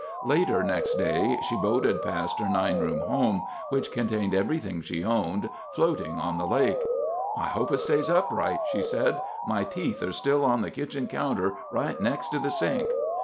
Later next day she boated past her 9 room home—which contained everything she owned, floating on the lake. "I hope it stays upright," she said. "My teeth are still on the kitchen counter, right next to the sink."